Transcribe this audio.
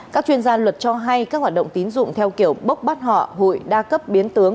các chuyên gia luật cho hay các hoạt động tín dụng theo kiểu bốc bắt họ hội đa cấp biến tướng